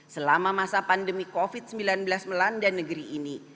selama masa pandemi covid sembilan belas melanda negeri ini